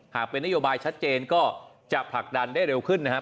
หากเป็นนโยบายชัดเจนก็จะผลักดันได้เร็วขึ้นนะครับ